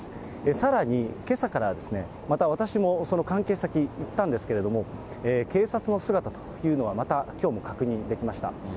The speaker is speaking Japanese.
さらに、けさからまた私もその関係先、行ったんですけれども、警察の姿というのは、またきょうも確認できました。